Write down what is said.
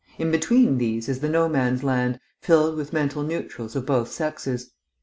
In between these is the No Man's Land, filled with mental neutrals of both sexes.